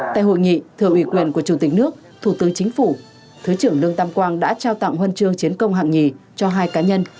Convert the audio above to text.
tại hội nghị thừa ủy quyền của chủ tịch nước thủ tướng chính phủ thứ trưởng lương tam quang đã trao tặng huân chương chiến công hạng nhì cho hai cá nhân